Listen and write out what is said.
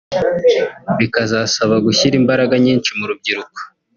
bikazasaba gushyira imbaraga nyinshi mu rubyiruko